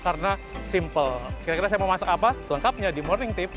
karena simple kira kira saya mau masak apa selengkapnya di morning tips